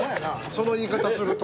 その言い方すると。